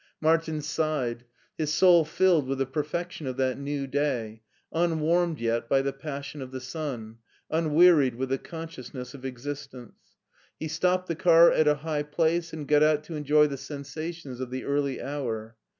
Martin sighed; his soul filled with the perfection of that new day^ unwarmed yet by the passion of the sun, unwearied with the con sciousness of existence. He stopped the car at a high place, and got out to enjoy the sensations of the early hour.